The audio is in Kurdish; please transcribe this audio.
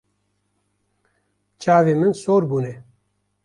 Çavên min sor bûne.